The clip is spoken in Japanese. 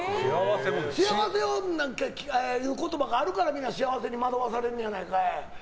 幸せなんていう言葉があるからみんな幸せに惑わされんねやないかい。